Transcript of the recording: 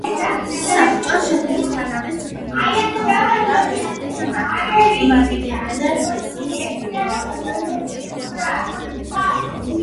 საბჭოს შექმნისთანავე, საქართველოში გაუქმდა რუსეთის მართლმადიდებელი ეკლესიის სინოდალური მმართველობა.